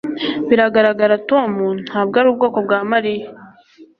Biragaragara Tom ntabwo ari ubwoko bwa Mariya